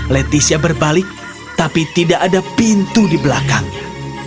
leticia berbalik tapi tidak ada pintu di belakangnya